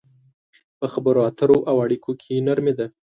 په خبرو اترو او اړيکو کې نرمي ده.